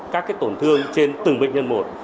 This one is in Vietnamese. các tổn thương trên từng bệnh nhân một